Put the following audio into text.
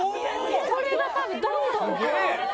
それが多分どんどんこう。